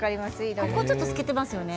ここちょっと透けてますよね。